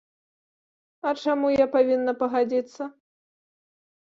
А чаму я павінна пагадзіцца?